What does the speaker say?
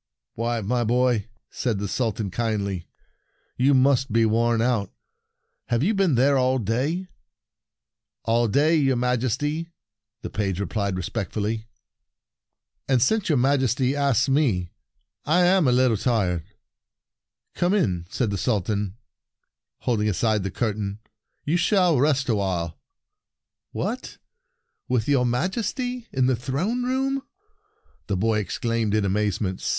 "Why, my boy," said the Sultan kindly, " you must be worn out. Have you been there all day?" " All day, your Majesty," the page replied respectfully; A Kindly Sovereign 68 The Sultan's Verses A Page " and since your Majesty asks Surprised me— I am a little tired." " Come in," said the Sultan, holding aside the curtain. "You shall rest awhile." " What ! —with your Majesty, in the throne room?" the boy exclaimed in amazement.